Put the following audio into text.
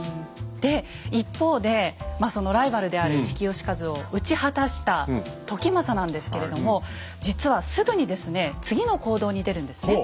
で一方でそのライバルである比企能員を討ち果たした時政なんですけれども実はすぐにですね次の行動に出るんですね。